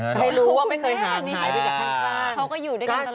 ให้รู้ว่าไม่เคยหายไปจากข้างเขาก็อยู่ด้วยกันตลอดกันเนี่ย